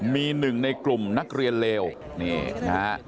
มีหนึ่งในกลุ่มนักเรียนเลวนี่นะฮะ